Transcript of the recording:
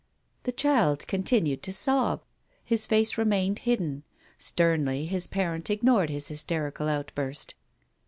The child continued to sob. His face remained hidden. Sternly his parent ignored his hysterical outburst.